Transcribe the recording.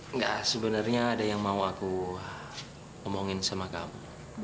enggak sebenarnya ada yang mau aku omongin sama kamu